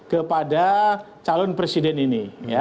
kepada calon presiden ini